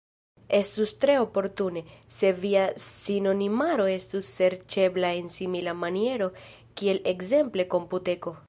Estus tre oportune, se via sinonimaro estus serĉebla en simila maniero kiel ekzemple Komputeko.